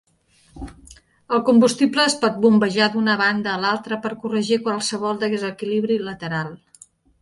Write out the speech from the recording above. El combustible es pot bombejar d'una banda a l'altra per corregir qualsevol desequilibri lateral.